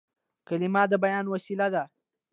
کلیمه د بیان وسیله ده.